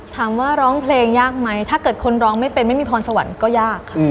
ร้องเพลงยากไหมถ้าเกิดคนร้องไม่เป็นไม่มีพรสวรรค์ก็ยากค่ะ